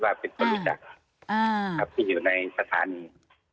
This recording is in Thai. ว่าเป็นคนรู้จักครับที่อยู่ในสถานี